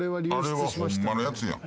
あれはホンマのやつやん。